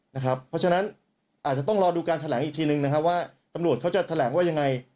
เพราะฉะนั้นอาจจะต้องรอดูการแถลงอีกทีนึงนะครับว่าตำรวจเขาจะแถลงว่ายังไง